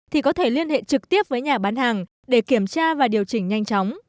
thì có thể liên hệ trực tiếp với nhà bán hàng để kiểm tra và điều chỉnh nhanh chóng